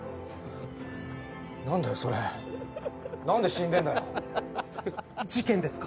何だよそれ何で死んでんだよ事件ですか？